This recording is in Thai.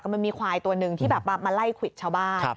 มันมีควายตัวหนึ่งที่แบบมาไล่ควิดชาวบ้าน